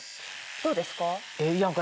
どうですか？